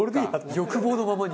欲望のままに。